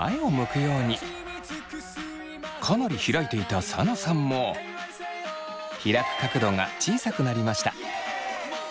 かなり開いていたサナさんも開く角度が小さくなりました。